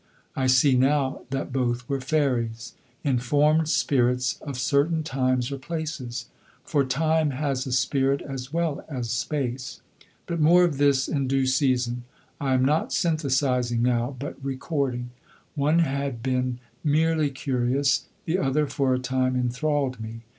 I see now that both were fairies, informed spirits of certain times or places. For time has a spirit as well as space. But more of this in due season. I am not synthesising now but recording. One had been merely curious, the other for a time enthralled me.